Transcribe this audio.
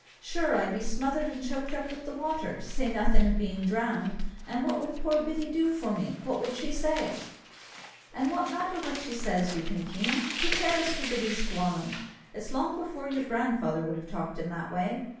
Sure, I'd be smothered and choked up with the water, to say nothing of being drowned! And what would poor Biddy do for me, and what would she say?" "And what matter what she says, you pinkeen? Who cares for Biddy's squalling? It's long before your grandfather would have talked in that way.